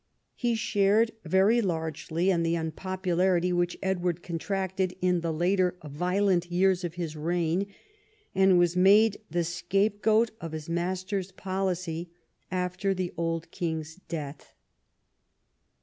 He shared very largely in the unpopularity which Edward contracted in the later violent years of his reign, and was made the scapegoat of his master's policy after the old king's death.